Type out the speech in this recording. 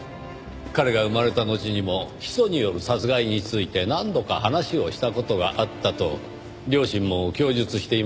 彼が生まれたのちにも砒素による殺害について何度か話をした事があったと両親も供述していますからねぇ。